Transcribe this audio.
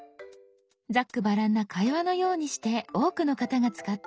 ざっくばらんな会話のようにして多くの方が使っています。